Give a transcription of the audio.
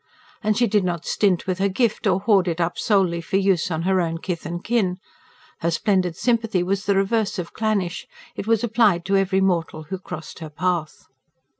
And she did not stint with her gift, or hoard it up solely for use on her own kith and kin. Her splendid sympathy was the reverse of clannish; it was applied to every mortal who crossed her path.